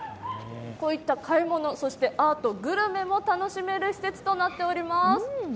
こういった買い物、そしてアート、グルメも楽しめる施設となっております。